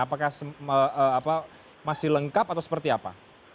apakah masih lengkap atau seperti apa